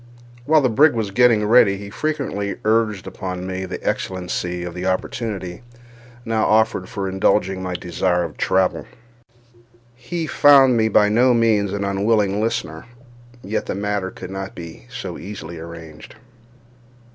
While the brig was getting ready, he frequently urged upon me the excellency of the opportunity now offered for indulging my desire of travel. He found me by no means an unwilling listener—yet the matter could not be so easily arranged.